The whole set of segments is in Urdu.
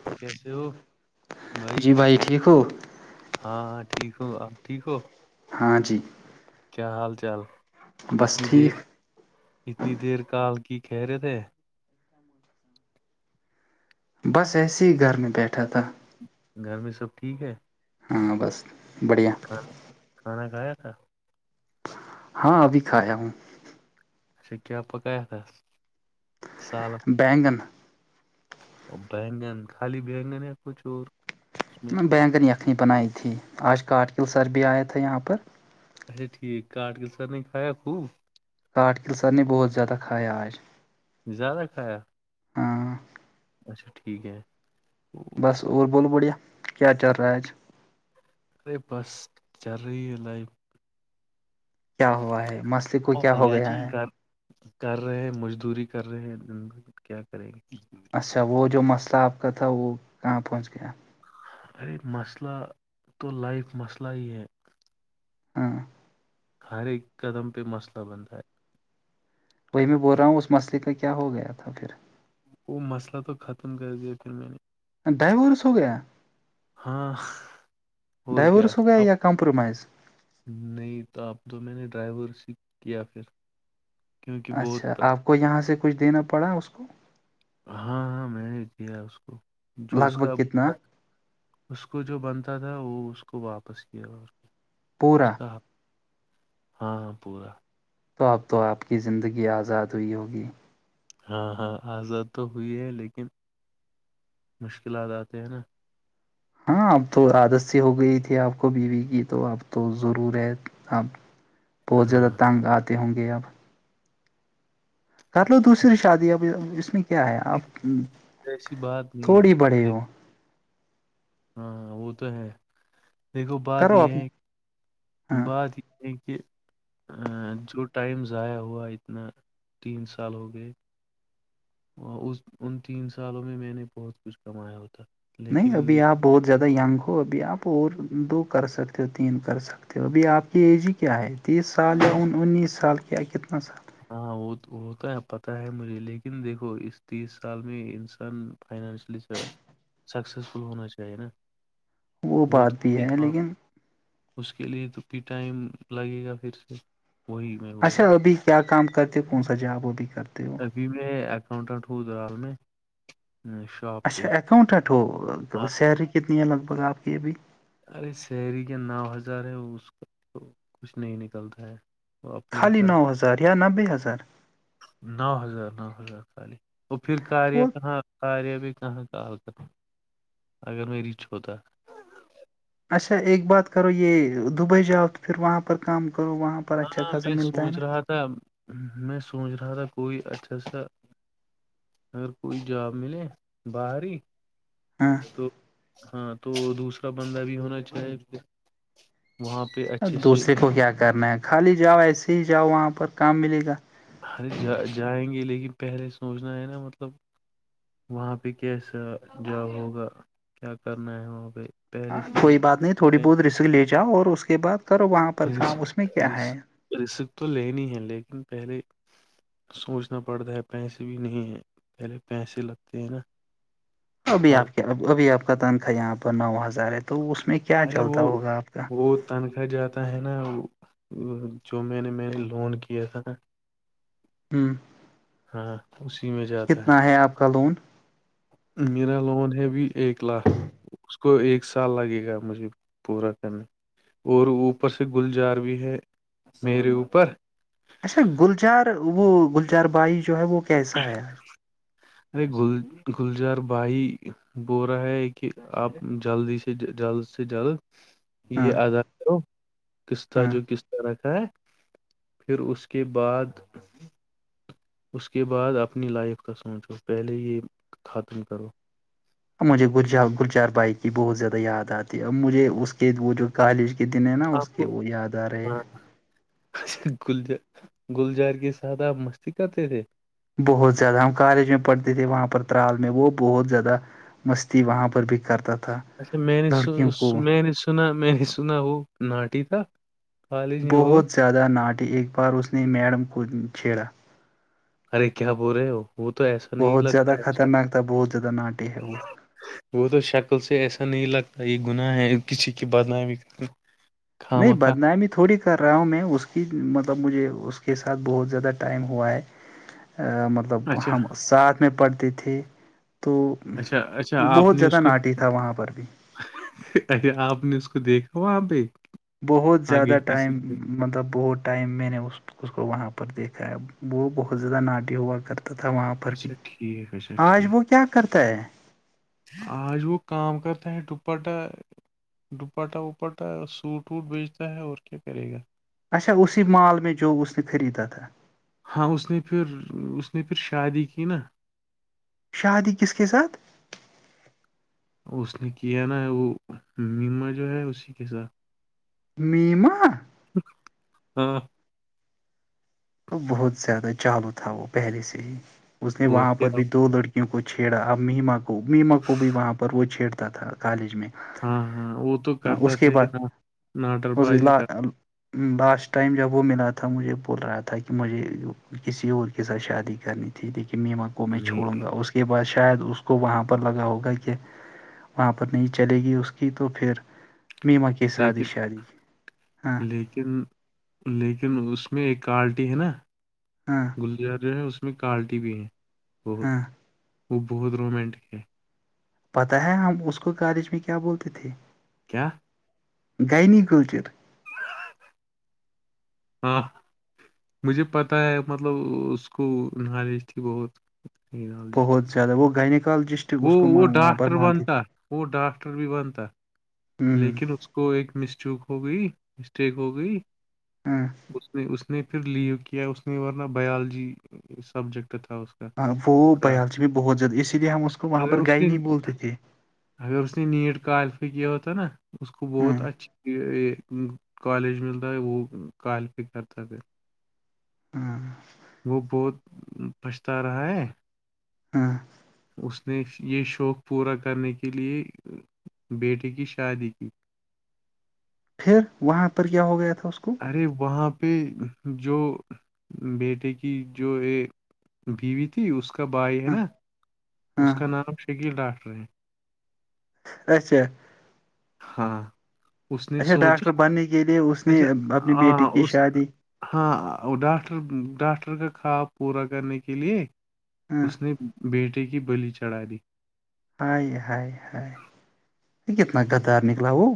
ہاں کیسے ہو بھائی جی ٹھیک ہو ہاں ہاں ٹھیک ہوں آپ ٹھیک ہو ہاں جی کیا حال چال بس اتنی ٹھیک دیر اتنی دیر کا حال کی خہیرے تھے بس ایسے ہی گھر میں بیٹھا تھا گھر میں سب ٹھیک ہے ہاں بس بڑھیا کھان کھانا کھایا تھا ہاں ابھی کھایا ہوں اچھا کیا بقایت سالس بیینگن بیگن خالی بیگن ہے کو چور بگن یخنی بنائی تھی آج کارگل سر بھی آیا تھا یہاں پر اچھا ٹھیک کٹ کے سر نے کایا خوب کاٹ کل سر نے بہت زیادہ کھایا آج زیادہ کھایا ہاں اچھا ٹھیک ہے بس اور بوول بوڑھیا کیا چل رہا ہے آج ارے بس جری لف کیا ہوا ہے مسلق کو او کیا ہو بھیا گیا جی، ہے کر کر رہے ہیں مزدوری کر رہے ہیں کیا کریں گے اچھا وہ جو مسئلہ آپ کا تھا وہ کہاں پہنچ گیا ارے مسئلہ تو لائف مسئلہ ہی ہے ہاں ہر ایک قدم پہ مسئلہ بنتا ہے وہی میں بول رہا ہوں اس مسئلے کا کیا ہو گیا تھا پھر وہ مسئلہ تو ختم کر دیا پھر میں نے ڈائیورورسو گیا ہاں اور کیا ڈائیورس ہوو اب گیا کمپرومائز نہیں تو آپ تو میں نے ڈرائیور س کیا پھر کیونکہ بہت اچھا پ- آپ کو یہاں سے کچھ دینا پڑا اس کو ہاں ہاں میں نے دیا اس کو جو اس لگ کا بھگ کتنا اس کو جو بنتا تھا وہ اس کو واپس کیاے گا اس اس پورا کا ہاںاں پورا [inaudible] تو اب تو آپ کی زندگی آزاد ہوئی ہوگی ہاں ہاں آزاد تو ہوئی ہے لیکن مشکلات آتے ہیں نا ہاں اب تو عادت سی ہو گئی تھی آپ کو بیوی کی تو اپ تو ضرور ہے اب بہت زیادہ ہاں تنگ آتے ہوں گے اب کر لو دوسری شادی اب اس میں کیا ہے اپ ایسی بات نہیں ہے تھوڑی بڑے ہو دیکھو ہاں وہ تو ہے دیکھو بات کرو یہ آپ ہے ہاں بات کیکہ جو ٹائم ضائع ہوا اتنا تین سال ہو گئے اور اس ان تین سالوں میں میں نے بہت کچھ کمایا ہوتا نہیں لیکن ابھی یہ- آپ بہت زیادہ ینگ ہو ابھی آپ اور دو کر سکتے ہو تین کر سکتے ابھی آپ کی ایج ہی کیا ہے تیس سال یا انیس سال کیا کتنا سال ہاں وہ وہتا ہے پتاہ ہے مجھے لیکن دیکھو اس تیس سال میں انسان فائنشلی س سکسسفل ہونا چاہیے نا وہ بات تو بھی ٹھیک ہے آپ لیکن اس کے لیے تو بھی ٹائم لگے گا پھر سے وہی میں بول اچھا رہا ابھی کیا کام کرتے ہو کون سا جاب ابھی کرتے ہو ابھی میں اکاؤنٹنٹ ہوں دلال میں شاپ پہ اچھا اکاؤنٹنٹ ہو آہ، سیلری کتنی ہے لگ بھگ آپ کی ابھی ارے سیری کا نو ہزار ہے اس کا تو کچھ نہیں نکلتا ہے وہ اپنے خالی گھر نو ہزار یا نبے ہزار نو ہزار نو ہزار خالی اور پھر کا یہ وہ کہاں ساریا پ کہاں کال کر اگر مریچھ ہوتا [unintelligible] اچھا ایک بات کرو یہ دبئی جاؤ تو پھر وہاں پر کام کرو وہاں پر اچھا ہاں خاصا میں ملتا ہے نا سوچ رہا تھا میں سوچ رہا تھا کوئی اچھا سا اگر کوئی جاب ملے باہر ہی ہاں تو ہاں تو دوسرا بندہ بھی ہونا چاہے وہاں پہ دوسرے کو کیا کرنا ہے خالی جاؤ ایسے ہی جاؤ وہاں پر کام ملے گا ہر جا جائیں گے لیکن پہلے سوچنا ہے نا مطلب وہاں پہ کیسا جاب ہوگا کیا کرنا ہے وہاں پہ ہاں پہلے کوئی سے بات نہیں تھوڑی بہت رسک لے جاؤ اور اس کے بعد سر وہاں پر کام اس میں کیا ہے رسک تو لینی ہے لیکن پہلے سوچنا پڑتا ہے پیسے بھی نہیں ہیں پہلے پیسے لگتے ہیں نا ابھی ہر آپ کے ابھی آپ کا تنخوا یہاں پر نو ہزار ہے تو اس میں کیا ارے چلتا وہ ہوگا آپ کا وہ تنخواہ جاتا ہے نا جو میں نے میں نے لون کیا تھا ہوں [inaudible] ہاں اسی میں جاتا ہے آپ کا لون میرا لون ہے بھی ایک لاکھ اس کو ایک سال لگے گا مجھے پورا کرنے اور اوپر سے گل جار بھی ہے میرے اوپر اچھا گلجار وہ گلجار بائی جو ہے وہ کیسا ہے آج ہ [unintelligible] [inaudible] ارے گل گلزار بھائی بول رہا ہے کہ آپ جلدی سے جلد سے جلد یہ ہاں اداو قسطتا جو ہاں کسط [unintelligible] رکھا ہے پھر اس کے بعد اس کے بعد اپنی لائف کا سوچو پہلے یہ ختم کرو اب مجھے گج گلجار بائک کی بہت زیادہ یاد آتی ہے اب مجھے اس کے وہ جو کالج [unintelligible] کے دن ہے نا اس کے وہ یاد آ رہے ہے گل گلجار کی سادہ مستی کرتے تھے بہت زیادہ ہم کالج میں پڑھتے تھے وہاں پر ترال میں وہ بہت زیادہ مستی وہاں پر بھی کرتا تھا لڑکیوں کو [unintelligible] میں وہ بہت زیادہ ناٹی ایک بار اس نے میڈم کو چھیڑا ارے کیا بول رہے ہو وہ تو ایسا نہیں بہت لگتا زیادہ ہے اا خطرناک تھا بہت زیادہ ناٹے ہے وہ [unintelligible] وہ تو شکل سے ایسا نہیں لگتا یہ گناہ ہے کسی کی بدنامی [unintelligible] کھا نہیں مکھا بدنامی تو تھوڑی کر رہا ہوں میں اس کی مطلب مجھے اس کے ساتھ بہت زیادہ ٹائم ہوا ہے مطلب اچھا ہم ساتھ میں پڑھتے تھے تو اچھا بہت زیادہ ناٹی تھا وہاں پر بھی ارے آپ نے اس کو دیکھا وہاں پہ بہت آگے زیادہ کسی ٹائم کے مطلب بہت ٹائم میں نے اس اس کو وہاں پر دیکھا ہے وہ بہت زیادہ ناٹی ہوا کرتا تھا وہاں پر بھی اچھا ٹھیک اچھا آج ٹھیک وہ کیا کرتا ہے آج وہگ کام کرتا ہے ڈپٹا [unintelligible] ڈپاٹا وپاٹا سوٹ ووٹ بیچتا ہے اور کیا کرے گا اچا اسی مال میں جو اس نے خریدا تھا تھا ہاں اس نے پھر اس نے پھر شادی کی نا شادی کس کے کے ساتھ اس نے کیا نا وہ میما جو ہے اسی کے ساتھ میما ہاں [unintelligible] تو بہت زیادہ چالو تھا وہ پہلے سے ہی اس نے اور وہاں پر کیا بھی دو لڑکی کیوں کو چھیڑا اب میما کو مما کو بھی وہاں پر وہ چھیڑتا تھا کالج میں [unintelligible] [unintelligible] ہاں ہاں وہ تو کرتا اس کے تھا یہ بعد ناٹر اس باز ہی کر لاسٹ ٹائم جب وہ ملا تھا مجھے بول رہا تھا تھا کہ مجھے کسی اور کے ساتھ شادی کرنی تھی لیکن میما کو میں نہیں چھوڑوں گا اس کے بعد شاید اس کو وہاں پر لگا ہوگا کہ وہاں پر نہیں چلے گی اس کی تو پھر میما کی کے ساتھ ہی لیکن شادی ہاں لیکن لیکن لیکن اس میں ایک کالٹی ہے نا ہاں [unintelligible] [unintelligible] جو ہے اس میں کوالٹی بھی ہے بہت ہاں وہ بہت رومینٹک ہے پتاہ ہے ہم اس کو کالج میں کیا بولتے تھے کیا گینی گلچر [unintelligible] ہاں مجھے پتہ ہے مطلب اس کو نالج تھی بہت [unintelligible] [unintelligible] نینال بہت ڈسٹرک زیادہ وہ گائینیکالوجسٹ وہ وہ ڈاکٹر بنتا وہ ڈاکٹر بھی بنتا ہ لیکن اس کو ایک مسٹوک ہو گئی مسٹیک ہو گئی اس اس نے پھر لیو کیا اس نے ورنہ بائیولوجی سبجیکٹ تھا اس کا ہاں وہ بیالجی بھی بہت زیادہ اسی لیے ہم اس کو وہاں پر اگر اس گائے نے نہیں بولتے تھے [unintelligible] اگر اس نے نیٹ کالفائی کیا ہوتا نا اس کو ہاں بہت اچھی کالج ملتا ہے وہ کوالیفائی کرتا ہے پھر ہاں [unintelligible] وہ بہت پچھتا رہا ہے ہاں [unintelligible] اس نے یہ شوق پورا کرنے کے لیے بیٹے کی شادی کی پھر وہاں پر کیا ہو گیا تھا اس کو ارے وہاں پہ جو بیٹے کی جو یہ بیوی تھی اس کا بھائی ہے ہاں نا ہاں اس کا نام شکیل ڈاکٹر ہے اچھا ہاں اس نے اچھا ڈاکٹر سوچا بننے کے لیے اس نے اچھا اپنی ہاں بیٹی کی اس شادی ہاں ڈاکٹر ڈاکٹر کا خواب پورا کرنے کے لیے ہاں اس نے بیٹے کی بلی چڑھا دی ہائے ہائے ہائے کتنا غدار نکلا وہ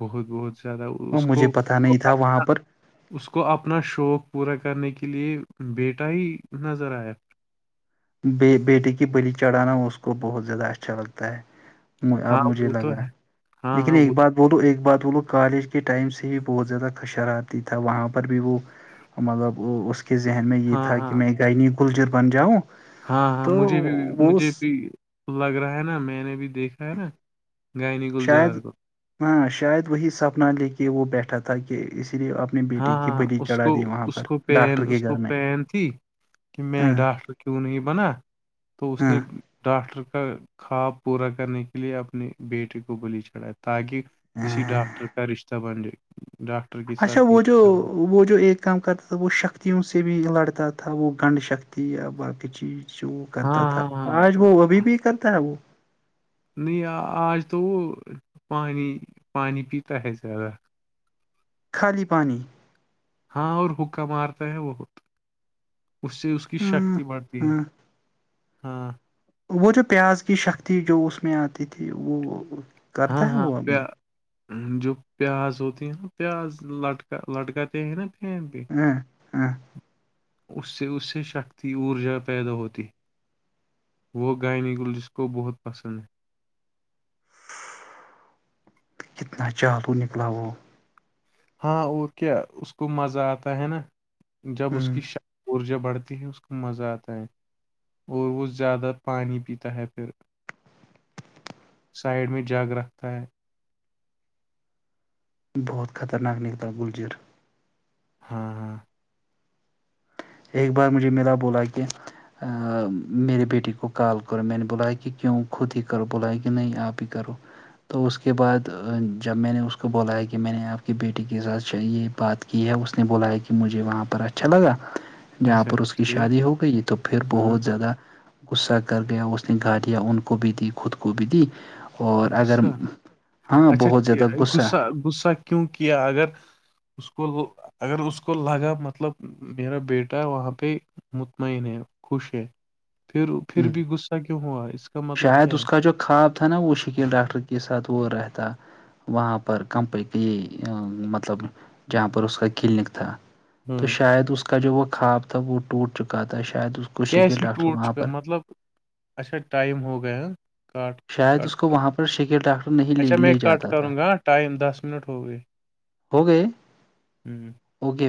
بہت بہت زیادہ اور اس کو مجھے پتا نہیں تھا وہاں پر اس کو اپنا شوق پورا کرنے کے لیے بیٹا ہی نظر آیا بیٹٹی کی بلی چڑھانا اس کو بہت زیادہ اچھا لگتا ہے ہاں اب مجھے وہ تو لگا ہے ہاں لیکن ہاں ایک وہ بات وہولو ایک بات وہ لوگ کالج کے ٹائم سے ہی بہت زیادہ کشر آتی تھا وہاں پر بھی وہ مطلب اس کے ذہن میں یہ ہاں تھا ہاں کہ میں گنی گلجر بن جاؤں ہاں ہاں تو مجھے بھی وہ مجھے بھی لگ رہا ہے نا میں نے بھی دیکھا ہے نا گائے ن گل شاید جار کو ہاں شاید وہی سپنا لے کے وہ بیٹھا تھا کہ اس لیے اپ ہاں ہاں اس کو اس کو پیر ڈاکٹر کے اس کو گھر میں پیر تھی کہ می ہاں ڈاکٹر کیو نی بنا تو اس نے ہاں ڈاکٹر کا خواب پورا کرنے کے لیے اپنے بیٹے کو بلی چڑھات تاکہ کسی ڈاکٹر کا رشتہ بن جائے ڈاکٹر کے ساتھ ہی تو رشتہ بن جائے۔ وہ جو ایک کام کرتا تھا وہ شکتیوں سے بھی لڑتا تھا وہ گنڈھ شکتی یا باقی چیز وہ کرتا تھا ہاں ہاں آج وہ ابھی ہاں بھی کرتا ہے وہ نہیں آج تو وہ پانیانی پانی پیتا ہے زیادہ خالی پانی ہاں اور حکہ مارتا ہے وہ اس سے اس کی ہاں شکتی بڑھتی ہے ہاں ہاں وہ جو پیاز کی شکتی جو اس میں آتی تھی وہ ہاں کرتا ہے ہاں وہ پ ابھی جو پیاز ہوتی ہے نا پیاز لٹکا لٹکاتے ہیں نا پین پہ ہاں ہاں اس سے اس سے شکتی اورجادا پیدا ہوتی وہ گائنی گل جس کو بہت پسند ہے کتنا چالو نکلاو ہاں اور کیا اس کو مزہ آتا ہے نا جب ہ اس کی ش ارجا بڑھتی ہے اس کا مزہ آتا ہے اور وہ زیادہ پانی پیتا ہے پھر سائڈ میں جاگ رکھتا ہے بہت خطرناک نکلتا گلجر ہاں ہاں ایک بار مجھے ملا بولا کہ میرے بیٹی کو کال کرو میں نے بلایا کہ کیوں خود ہی کرو بلایا کہ نہیں آپ ہی کرو تو اس کے بعد جب میں نے اس کو بولایا کہ میں نے آپ کی بیٹی کے ساتھ یہ بات یہ ہے اس نے بولایا کہ مجھے وہاں پر اچھا لگا جہاں اچھا پر اس کی ٹھیک شادی ہو گئی تو پھر ہاں بہت ہاں زیادہ غصہ کر گیا اس نے گا لیا ان کو بھی دی خود کو بھی دی اور اگر غصہ ہاں بہت زیادہ غصہ سا [unintelligible] کیونکہ اگر اس کو اگر اس کو لگا مطلب میرا بیٹا وہاں پہ مطمئن ہے خوش ہے پھر پھر ہ بھی غصہ کیوں ہوا اس کا مطلب کیا ہے [unintelligible] تھا نا وہ شکیل ڈاکٹر کے ساتھ وہ رہتا وہاں پر کمپ کے مطلب جہاں پر اس کا کلینک تھا تو ہوں شاید اس کا جو وہ خواب تھا وہ ٹوٹ چکا تھا شاید اس کو شکیل کیسی ڈاکٹر ٹوٹ وہاں کاا پر مطلب اچھا ٹائم ہو گیا ہ کاٹ شاید کٹ اس کو کر وہاں پر شکیل ڈاکٹر نہیں اچھا میں لے کٹ جاتا تھا کروں گا ٹائم دس منٹ ہو گئے ہو گئے ہوں اگے